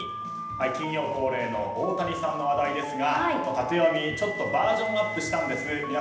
金曜日恒例の大谷さんの話題ですがタテヨミ、ちょっとバージョンアップしたんです。